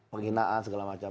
penghinaan segala macam